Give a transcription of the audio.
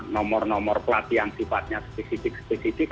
nomor nomor pelatih yang sifatnya spesifik spesifik